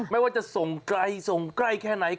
ไม่ว่าจะส่งไกลส่งใกล้แค่ไหน